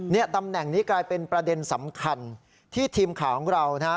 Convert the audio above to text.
ตำแหน่งนี้กลายเป็นประเด็นสำคัญที่ทีมข่าวของเรานะฮะ